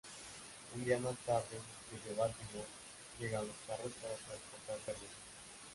Un día más tarde, desde Baltimore llegan los carros para transportar carbón.